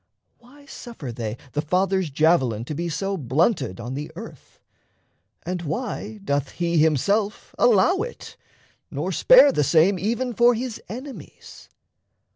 Why suffer they the Father's javelin To be so blunted on the earth? And why Doth he himself allow it, nor spare the same Even for his enemies?